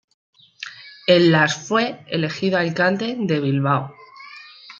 En las fue elegido alcalde de Bilbao.